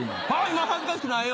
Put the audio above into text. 今恥ずかしくないよ。